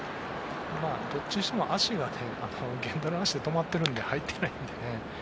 どっちにしても源田の足で止まっているので入ってないのでね。